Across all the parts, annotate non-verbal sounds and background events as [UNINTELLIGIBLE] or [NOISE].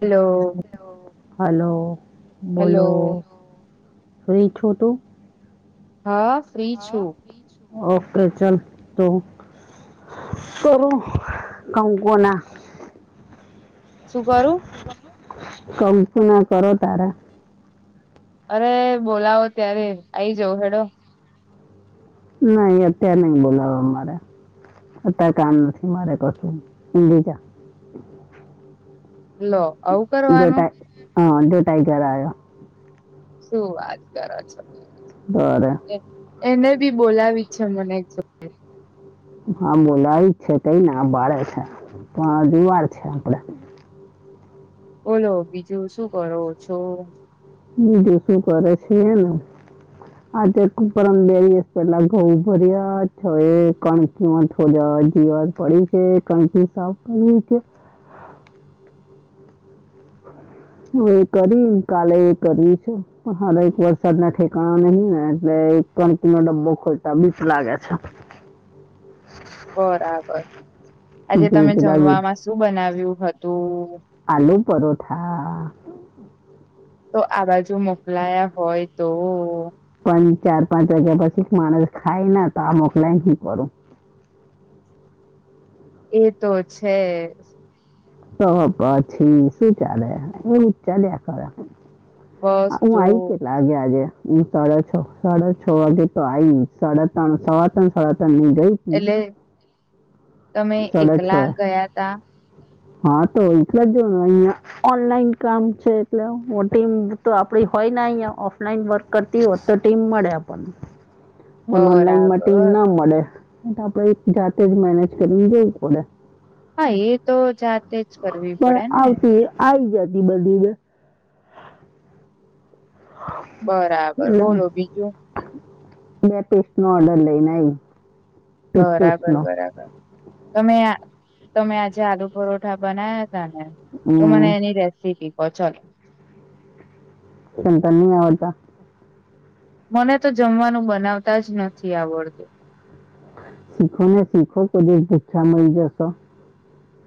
Hello. Hello, hello બોલો? છું તું. હા. ફ્રી છું ઓકે, ચાલ તો. કરું, કમ કોના? શું કરો? કંકુ ના કરો, તારા. અરે, બોલાવો ત્યારે આઈ જાવ, હેડો. નહીં, અત્યારે નઈ બોલાવો, અમારે અત્યારે કાન નથી, મારે કશું, ધરે જા. લો, આવું જો કરવાનું. ટાઈ હા, જો ટાઈગર ગર્યો. શું વાત કર છો? બરાબર. એને બી બોલાવી છે મને. હ. [UNINTELLIGIBLE] હા, બોલા આવી જ છે, કઈને ભળે છે, પણ દિવાર છે, આપડે બોલો, બીજું શું કરો છો? બીજું શું કરે છે? એને આજ ઉપર બે દિવસ પેલા ઘઉં ભર્યા છે, એ કણ. કે થોડા જીવાત પડી છે, કંખી સાફ કરી છે. [UNINTELLIGIBLE] હું એ કરી કાલે એ કરી છું, હ એક વરસાદ ના ઠેકાણા નહીં ને એટલે. તણકો બોલતા મીઠું લાગે છે. બરાબર, આજે તમે બીક લાગી જમવામાં શું બનાવ્યું હતું? આલુ પરોઠા. તો આ બાજુ મોકલાયા હોય તો. પણ ચાર-પાંચ વાગ્યા પછી માણસ ખાય ના, તો આ મોકલાય ને કરું. એ તો છે. તો પછી શું ચાલે? એવું ચાલ્યા ખરુ. બસ હું જો આયત. આગે આજે હું સાડા છ, સાડા છ વાગે તો, આઈ સાડા ત્રણ સાડા ત્રણ, સાડા ત્રણ ગઈ. હતી એટલે તમે સાડા છ એકલા એ. ગયા તા. હા, તો એટલા જ જોનું અહિયાં. ઓનલાઈન કામ છે, એટલે મોટીમ તો આપડી હોય, અહીં ઓફલાઈન વર્ક. કરતી હોત, તો ટીમ મળે, આપણને પણ ઓનલાઈનમાં બરાબર ટીમ ના મળે. એ તો આપડે જાતે જ મેનેજ કર જવું પડે. હા, એ તો જાત પણ આવતી આવી જતી, બધી જ. બરાબર, એટલે બોલો, બીજું? બે પીસ્ટ નો ઓર્ડર લઈને. બરાબર, ટૂથપેસ્ટનો બરાબર, તમે તમે આજે, આલુ પરઠા બનાયા. ના તો મને હમ એની રેસીપી કહો? ચલો. ચિંતા ન ઓ તો. મને તો જમવાનું બનાવતા જ નથી આવડતું. શીખો ને, શીખો કોદી, ભૂખા મળી જશે.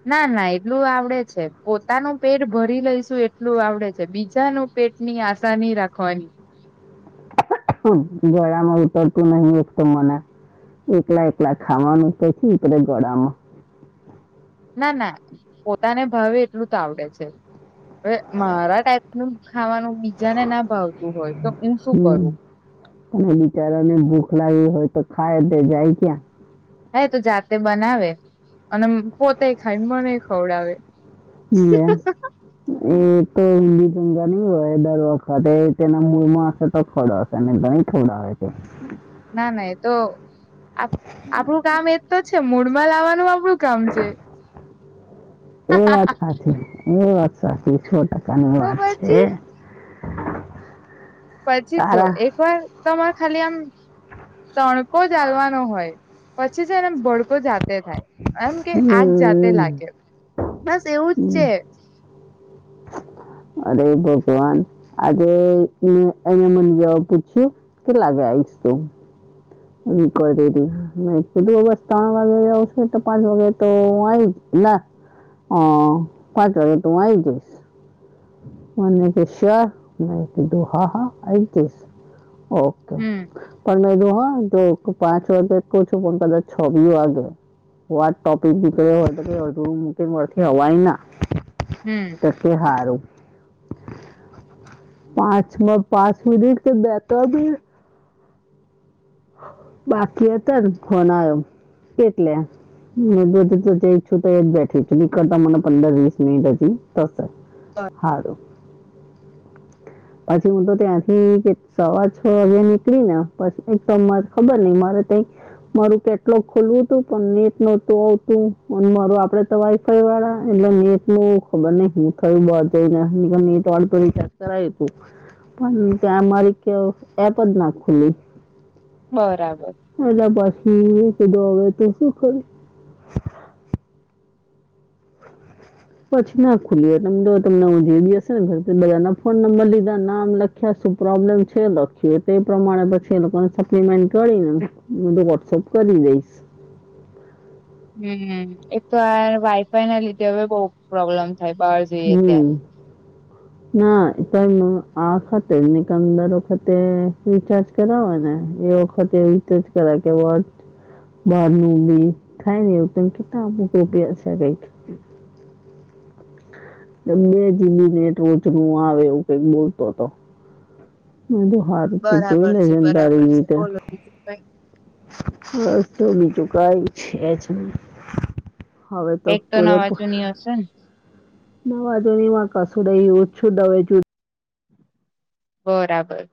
ના, ના, એટલું આવડે છે, પોતાનું પેટ ભરી લઈશું, એટલું આવડે છે, બીજાનું ભેટની આશા ની રાખવાની. ગળામાં ઉતરતુ નહીં, એક તો મને. એકલા, એકલા ખાવાનું ક્યાંથી ઉતરે ગળામાં. ના, ના, પોતાને ભાવે એટલું આવડે છે, હવે મારા ટાઈપ ખાવાનું બીજાને ના ભાવતું હોય તો, હું શું હમ, કરું. અને બિચારાને ભૂખ લાગી હોય, તો ખાય તે, જાય ક્યાં. હે તો જાતે બનાવે, અને પોતેય ખાય, મને ખવડાવે. [UNINTELLIGIBLE] એ તો હિન્દી ટ ગ ન હોય, એ દર વર્ખત એ તેના મુર્મ આવશે તો ખવડાવશે. [UNINTELLIGIBLE] [INAUDIBLE] અને ગણી ખવડાવે છે. ના, ના, તો આપ આપણું કામ એ જ તો છે મૂળમાં લાવવાનું, આપણું કામ છે. એ વાત સાચી, એ વાત સાચી, સો ટકાની તો વાત પછી છે. [UNINTELLIGIBLE] પછી જો તારા એક વાર તમારે ખાલી આમ, તણકો જાલવાનો હોય. પછી જને બ જાતે થાય, એમ કે હમ, આજ જાતે લાગે બસ એવું જ હમ. છે. અરે ભગવાન, આજે એને મને જવા પૂછ્યું. કે લાગે, આજે તો. તું બસ ત્રણ વાગે આવશે, તો પાંચ વાગે, તો હું આય જ. ના, હ, પાંચ વાગે, તું આવી આવી જઈશ. મને કે શિહોર મે કીધું, હા, હ આઈ જઈશ ઓ. હમ પણ મે જો હા જો પાંચ વાગે ક છું, પણ કદાચ છ બી વાગે. ટોપિક કળા હોય, મળવાની ના. હમ. તો કે હારું. પાંચમાં પાંચ મિનિટ કે બેથાબી. બાકી હતા, ફોન આવ્યો, એટલે. મઈચ્છુતા એક જ બેઠ ના કરતા, મને પંદર, વીસ મનિટ તસ. હા. પછી હું તો ત્યાંથી સવા છ વાગે નીકળી ને, પછી સજ ખબર નઈ મારે તઈ. મારું કેટલુ ખુલું હતું, પણ નેટ નોતું આવતું, અને માર આપડે તોય. વાળા એટલે નેટ નું ખબર ન, હું થયું નેટ વાળું તો રિચાર્જ કરાય હતું. પણ ત્યા અમારી કે એપ જ ના ખુલી. બરાબર એટ પછી કે દોવે તો શું કરું? પછી ના ખુલી તમ તો તમને હું જો હશે ને બધા ના ફોન નંબર લીધા નામ લખ યા શું પ્રોબ્લેમ છે લખી તે પ્રમાણે પછીને પ્મેન્ટ કરીને હું તો વોટ્સઅપ કરી દઈશ. હમ એક તો આ વાઈફાઈ ના લીધે હવે બઉ પ્રોબ્લેમ થાય બહાર જઈએ ત્યારે. [INAUDIBLE] ના પણ આખતે ની દર વખતે રિચાર્જ કરાવો ને એ વખતે વીતે જ કરા કે બહાર ની બી થાય ને એવું ત કેતા કઈક બે જીબી નેટ રોજ નું આવે એવું કઈક બોલતો હતો એ તો હારુ તો જોઈ બરાબર લે છે છેમ બરાબર તારી છે રીતે બોલો બીજું હ તો બીજું કઈ છે જ હવે તો કઈ એક પૂરેપુ [UNINTELLIGIBLE] ની વાંઘો ની વા કસું દઈ ઓછું દવે જો બરાબર